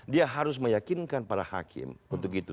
dia harus meyakinkan para hakim untuk itu